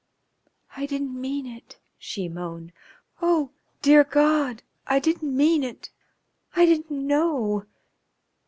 "I didn't mean if," she moaned. "Oh, clear God! I didn't mean it. I didn't know....